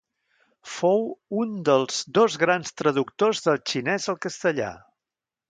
Fou un dels dos grans traductors del xinès al castellà.